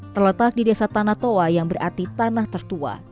terletak di desa tanah toa yang berarti tanah tertua